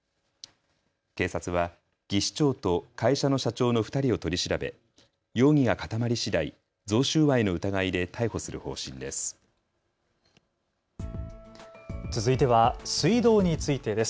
警察は技士長と会社の社長の２人を取り調べ容疑が固まりしだい贈収賄の疑いで逮捕する方針です。